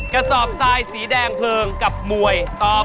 กระสอบทรายสีแดงเพลิงกับมวยตอบ